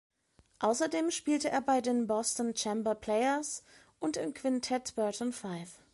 Außerdem spielte er bei den Boston Chamber Players und im Quintett Burton Five.